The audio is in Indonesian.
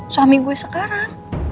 suami gue sekarang